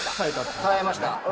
耐えました。